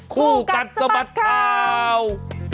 คู่กันสมัติข่าว